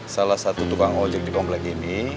salah satu tukang ojek di komplek ini